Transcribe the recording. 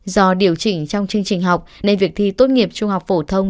do điều chỉnh trong chương trình học nên việc thi tốt nghiệp trung học phổ thông